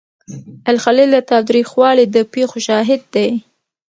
الخلیل د تاوتریخوالي د پیښو شاهد دی.